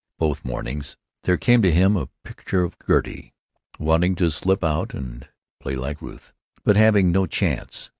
Both mornings there came to him a picture of Gertie, wanting to slip out and play like Ruth, but having no chance.